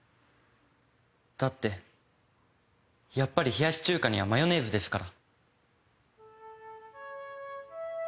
だってやっぱり冷やし中華にはマヨネーズですから。